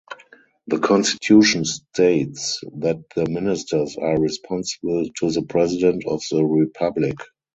The constitution states that the ministers are responsible to the president of the republic.